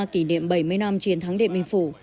kỷ niệm bảy mươi năm chiến thắng điện biên phủ